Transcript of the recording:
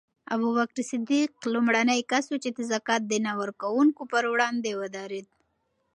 ابوبکر صدیق لومړنی کس و چې د زکات د نه ورکوونکو پر وړاندې ودرېد.